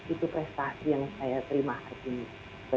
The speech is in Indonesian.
itu prestasi yang saya terima hari ini